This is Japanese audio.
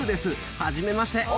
初めまして。